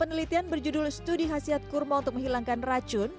dalam penelitian berjudul studi khasiat kurma untuk menghilangkan racun